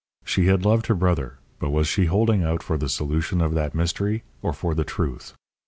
She had loved her brother, but was she holding out for the solution of that mystery or for the "Truth"?